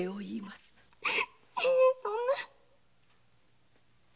いいえそんな。